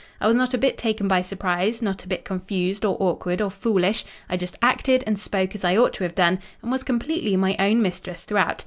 I was not a bit taken by surprise, not a bit confused, or awkward, or foolish; I just acted and spoke as I ought to have done, and was completely my own mistress throughout.